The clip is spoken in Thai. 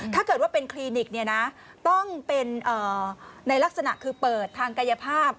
ถ้าเกิดว่าเป็นคลินิกต้องเป็นในลักษณะคือเปิดทางกายภาพ